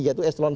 yaitu eselon i a